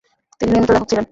তিনি নিয়মিত লেখক ছিলেন।